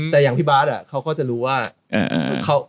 แต่อย่างพี่บาทเขาก็จะรู้ว่า